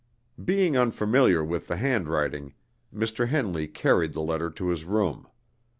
Being unfamiliar with the handwriting, Mr. Henley carried the letter to his room.